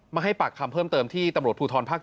ให้ปากคำเพิ่มเติมที่ตำรวจภูทรภาค๗